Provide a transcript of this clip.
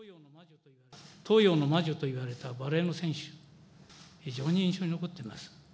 東洋の魔女といわれたバレーの選手、非常に印象に残っています。